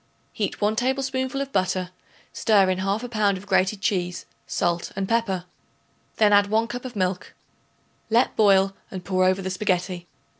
Heat 1 tablespoonful of butter, stir in 1/2 pound of grated cheese, salt and pepper. Then add 1 cup of milk; let boil and pour over the spaghetti.